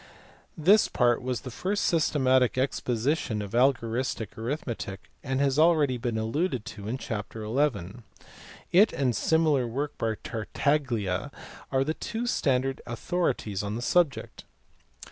This part was the first systematic exposition of algoristic arithmetic and has been already alluded to in chapter xi. It and the similar work by Tartaglia are the two standard authorities on the subject.